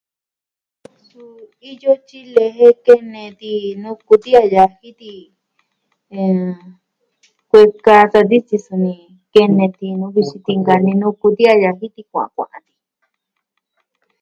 Suu iyo tyile jen kene nuku tiaa yaji ti. Eh... Kuu ka da vityi suni kene tinuvi suu ti ka nee nu kutiaa yaji ti kuaa kuaan ti.